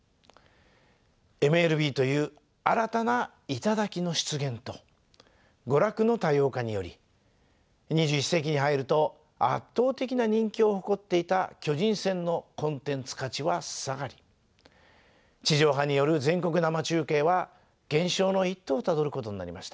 ＭＬＢという新たな頂の出現と娯楽の多様化により２１世紀に入ると圧倒的な人気を誇っていた巨人戦のコンテンツ価値は下がり地上波による全国生中継は減少の一途をたどることになりました。